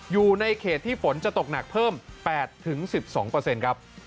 อยู่ในเขตที่ฝนจะตกหนักเพิ่ม๘๑๒ครับ